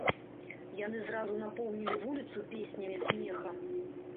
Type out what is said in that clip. Яны зразу напоўнілі вуліцу песнямі, смехам.